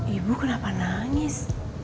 ibu kenapa nangis